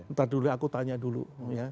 ntar dulu aku tanya dulu